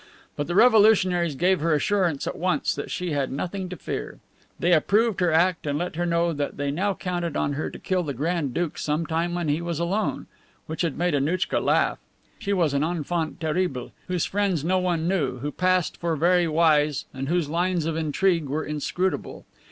But the revolutionaries gave her assurance at once that she had nothing to fear. They approved her act and let her know that they now counted on her to kill the Grand Duke some time when he was alone; which had made Annouchka laugh. She was an enfant terrible, whose friends no one knew, who passed for very wise, and whose lines of intrigue were inscrutable.